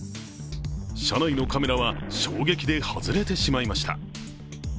車内のカメラは衝撃で外れてしまいました。